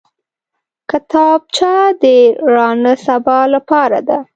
کتابچه د راڼه سبا لاره ده